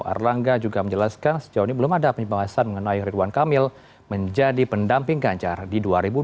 erlangga juga menjelaskan sejauh ini belum ada pembahasan mengenai ridwan kamil menjadi pendamping ganjar di dua ribu dua puluh